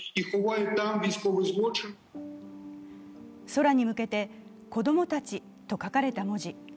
空に向けて「子供たち」と書かれた文字。